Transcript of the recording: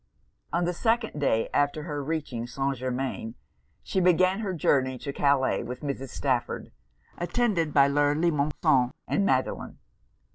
On the second day after her reaching St. Germains, she began her journey to Calais with Mrs. Stafford, attended by Le Limosin and Madelon.